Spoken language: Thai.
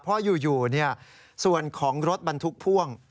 เพราะอยู่ส่วนของรถบรรทุกพ่วง